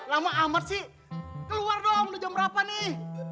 lama amat sih keluar dong udah jam berapa nih